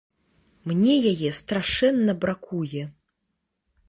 Мне яе страшэнна бракуе.